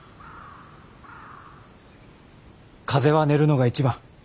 風邪は寝るのが一番。